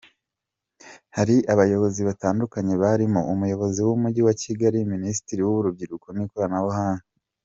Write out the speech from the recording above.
Hari abayobozi batandukanye barimo Umuyobozi w'umujyi wa Kigali, Minisitiri w'Urubyiruko n'Ikoranabuhanga.